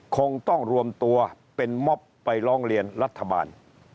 คงต้องรวมตัวเป็นม็อบไปร้องเรียนรัฐบาล